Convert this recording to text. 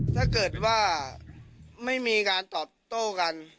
ถ้าเกิดว่าไม่มีการตอบโต้กัน